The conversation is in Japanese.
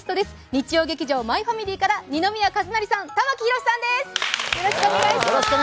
日曜劇場「マイファミリー」から二宮和也さん、玉木宏さんです。